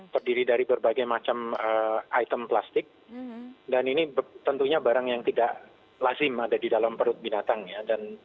terdiri dari berbagai macam item plastik dan ini tentunya barang yang tidak lazim ada di dalam perut binatang ya